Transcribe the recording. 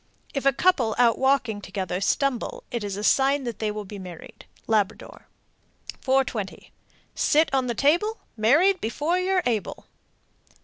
If a couple out walking together stumble, it is a sign that they will be married. Labrador. 420. Sit on the table, Married before you're able.